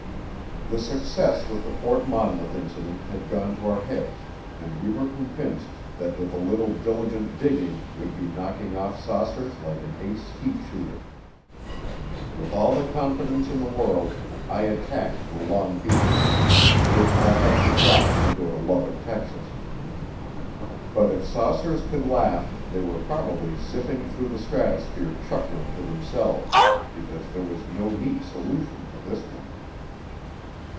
The success with the Fort Monmouth Incident had gone to our heads and we were convinced that with a little diligent digging we'd be knocking off saucers like an ace skeet shooter. With all the confidence in the world, I attacked the Long Beach Incident, which I'd had to drop to go to Lubbock, Texas. But if saucers could laugh, they were probably zipping through the stratosphere chuckling to themselves, because there was no neat solution to this one.